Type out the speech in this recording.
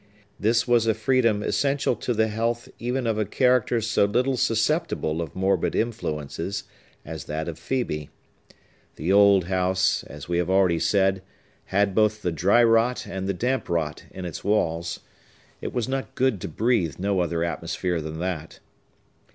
This was a freedom essential to the health even of a character so little susceptible of morbid influences as that of Phœbe. The old house, as we have already said, had both the dry rot and the damp rot in its walls; it was not good to breathe no other atmosphere than that.